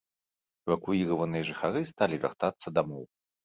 Эвакуіраваныя жыхары сталі вяртацца дамоў.